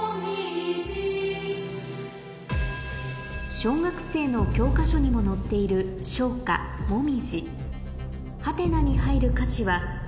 小学生の教科書にも載っている今ね。